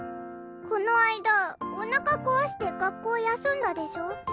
この間おなか壊して学校休んだでしょ？